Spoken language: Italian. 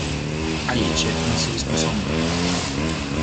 Alice non si risposò mai.